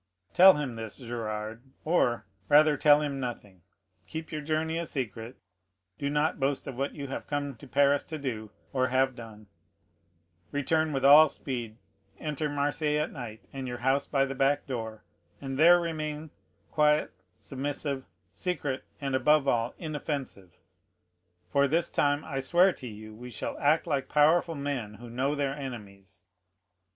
Tell him this, Gérard; or, rather, tell him nothing. Keep your journey a secret; do not boast of what you have come to Paris to do, or have done; return with all speed; enter Marseilles at night, and your house by the back door, and there remain, quiet, submissive, secret, and, above all, inoffensive; for this time, I swear to you, we shall act like powerful men who know their enemies.